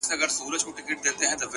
پسله كلونه چي جانان تـه ورځـي!